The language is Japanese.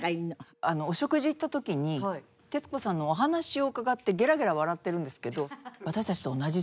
お食事行った時に徹子さんのお話を伺ってゲラゲラ笑ってるんですけど。